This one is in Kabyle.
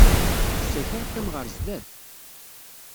Deg usakal, qqimeɣ ɣer sdat.